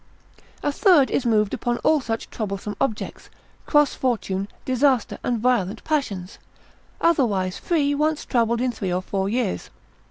A third is moved upon all such troublesome objects, cross fortune, disaster, and violent passions, otherwise free, once troubled in three or four years.